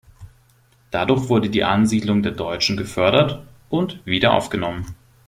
Dadurch wurde die Ansiedlung der Deutschen gefördert und wiederaufgenommen.